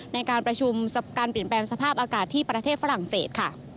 ในการประชุมการเปลี่ยนแปลงสภาพอากาศที่ประเทศฝรั่งเศสค่ะ